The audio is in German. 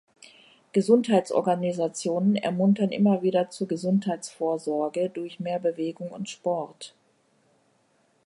Gesundheitsorganisationen ermuntern immer wieder zu Gesundheitsvorsorge durch mehr Bewegung und Sport.